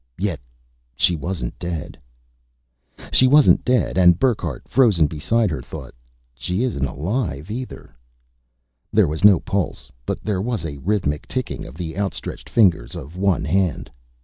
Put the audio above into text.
Yet she wasn't dead. She wasn't dead and Burckhardt, frozen beside her, thought: She isn't alive, either. There was no pulse, but there was a rhythmic ticking of the outstretched fingers of one hand.